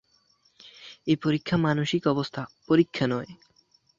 এই পরীক্ষা মানসিক অবস্থা পরীক্ষা নয়।